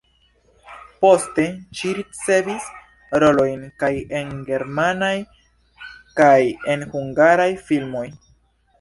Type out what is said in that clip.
Poste ŝi ricevis rolojn kaj en germanaj, kaj en hungaraj filmoj.